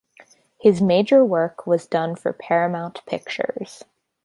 His major work was done for Paramount Pictures.